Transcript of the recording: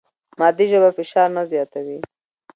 مادي ژبه فشار نه زیاتوي.